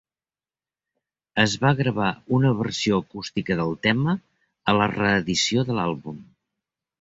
Es va gravar una versió acústica del tema a la reedició de l'àlbum.